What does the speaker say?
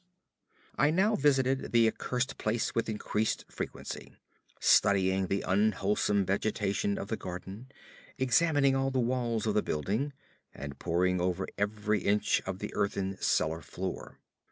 I now visited the accursed place with increased frequency; studying the unwholesome vegetation of the garden, examining all the walls of the building, and poring over every inch of the earthen cellar floor.